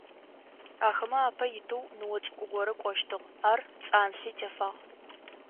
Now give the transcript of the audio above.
Ахэмэ апэ итэу ныо цӀыкӀу горэ кӀощтыгъ, ар цӀанлъи тефагъ.